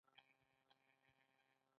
هغوی د خزان په خوا کې تیرو یادونو خبرې کړې.